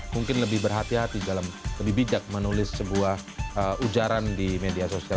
mungkin lebih berhati hati dalam lebih bijak menulis sebuah ujaran di media sosial